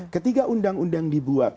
ketiga undang undang dibuat